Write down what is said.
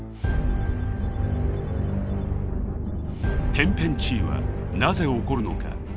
天変地異はなぜ起こるのか？